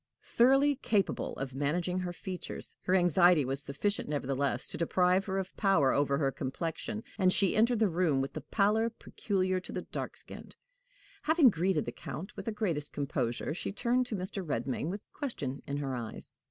Thoroughly capable of managing her features, her anxiety was sufficient nevertheless to deprive her of power over her complexion, and she entered the room with the pallor peculiar to the dark skinned. Having greeted the Count with the greatest composure, she turned to Mr. Redmain with question in her eyes.